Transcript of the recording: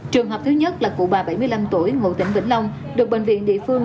trường hợp thứ nhất là cụ bà bảy mươi năm tuổi ngụ tỉnh vĩnh long được bệnh viện địa phương